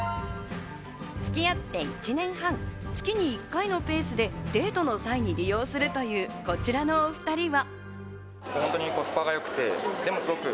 付き合って１年半、月に１回のペースでデートの際に利用するというこちらのお２人は。